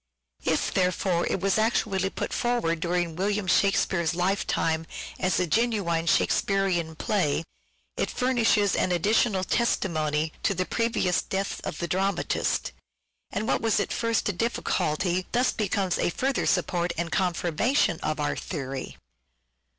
If, therefore, it was actually put forward during William Shakspere's lifetime as a genuine Shake spearean play, it furnishes an additional testimony to the previous death of the dramatist, and what was at first a difficulty thus becomes a further support and confirmation of our theory.